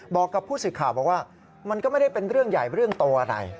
บอกกับผู้สื่อข่าวบอกว่ามันก็ไม่ได้เป็นเรื่องใหญ่เรื่องโตอะไร